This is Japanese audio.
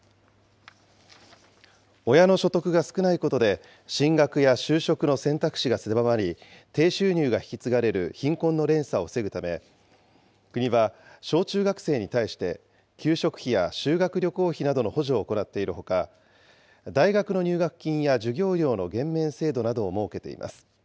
親の所得が少ないことで、進学や就職の選択肢が狭まり、低収入が引き継がれる貧困の連鎖を防ぐため、国は小中学生に対して、給食費や修学旅行費などの補助を行っているほか、大学の入学金や授業料の減免制度などを設けています。